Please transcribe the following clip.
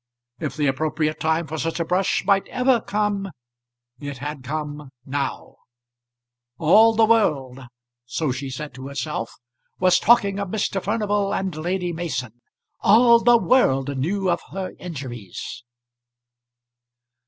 If the appropriate time for such a brush might ever come, it had come now. All the world, so she said to herself, was talking of Mr. Furnival and Lady Mason. All the world knew of her injuries.